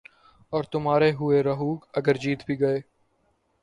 اور تُمہارے ہوئے رہو گے اگر جیت بھی گئے